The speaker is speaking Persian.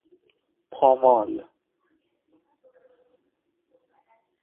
پامال